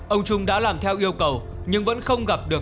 ông trung đã làm theo yêu cầu nhưng vẫn không gặp được